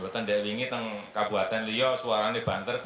tidak ingin dikaburkan suaranya banter kleru